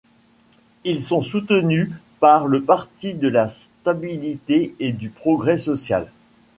Ils sont soutenus par le Parti de la stabilité et du progrès social.